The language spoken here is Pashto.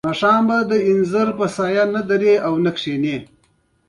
ټرینونه مسافر وړي.